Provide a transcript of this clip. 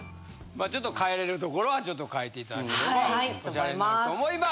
まあちょっと変えれるところはちょっと変えていただければ。